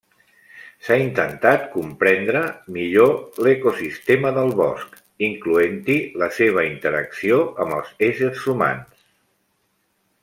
S'ha intentat comprendre millor l'ecosistema del bosc, incloent-hi la seva interacció amb els éssers humans.